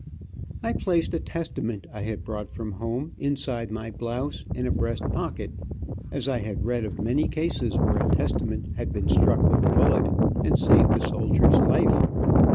I placed a Testament I had brought from home, inside my blouse, in a breast pocket, as I had read of many cases where a Testament had been struck with a bullet and saved a soldier's life.